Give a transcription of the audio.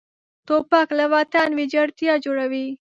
توپک له وطن ویجاړتیا جوړوي.